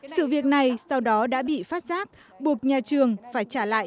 sự việc này sau đó đã bị phát giác buộc nhà trường phải trả lại